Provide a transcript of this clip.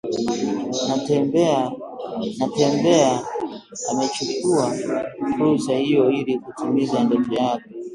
Natembeya amechukua fursa hiyo ili kutimiza ndoto yake